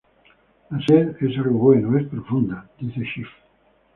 La sencillez es algo bueno, es profunda", dice Schiff.